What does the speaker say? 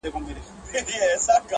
• زوړ زمری وو نور له ښکار څخه لوېدلی -